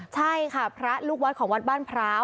ใช่ค่ะพระลูกวัดของวัดบ้านพร้าว